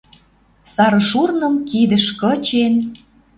Сары шурным кидӹш кычен